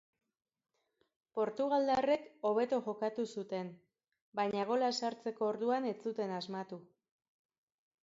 Portugaldarrek hobeto jokatu zuten, baina gola sartzeko orduan ez zuten asmatu.